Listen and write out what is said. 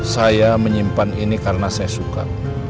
saya menyimpan ini karena saya suka